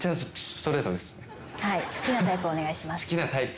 はい好きなタイプお願いします。